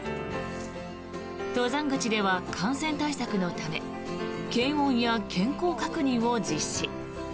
登山口では感染対策のため検温や健康確認を実施。